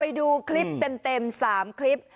ไปดูคลิปเต็ม๓คลิป